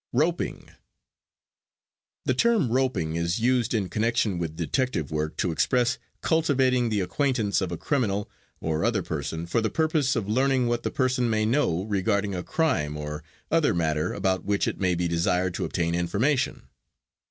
"ROPING" The term "roping" is used in connection with detective work to express cultivating the acquaintance of a criminal or other person for the purpose of learning what the person may know regarding a crime or other matter about which it may be desired to obtain information.